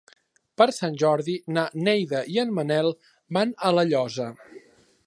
Per Sant Jordi na Neida i en Manel van a La Llosa.